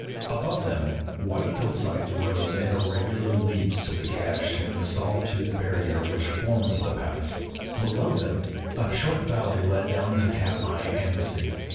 Above them, white hillsides rose in irregular leaps to the gash in the saw toothed barrier which formed the pass; below them a short valley led down to Katmai and the sea.